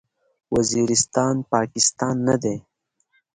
وزیرستان، پاکستان نه دی.